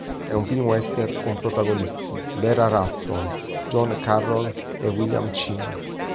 È un film western con protagonisti Vera Ralston, John Carroll e William Ching.